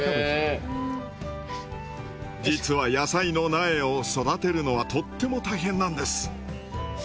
実は野菜の苗を育てるのはとっても大変なんです。